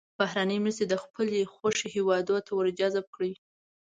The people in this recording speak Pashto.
بهرنۍ مرستې د خپلې خوښې هېوادونو ته ور جذب کړي.